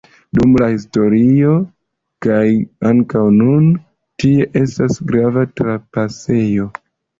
Dum la historio, kaj ankaŭ nun tie estas grava trapasejo.